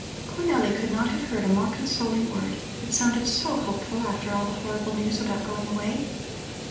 Cornelli could not have heard a more consoling word. It sounded so hopeful after all the horrible news about going away.